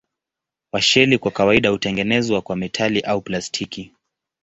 Washeli kwa kawaida hutengenezwa kwa metali au plastiki.